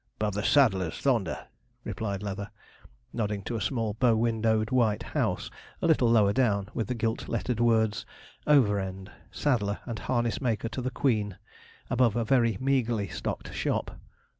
''Bove the saddler's, thonder,' replied Leather, nodding to a small bow windowed white house a little lower down, with the gilt lettered words: OVEREND, SADDLER AND HARNESS MAKER TO THE QUEEN, above a very meagrely stocked shop.